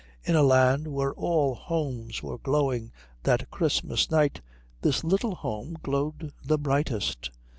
In a land where all homes were glowing that Christmas night this little home glowed the brightest.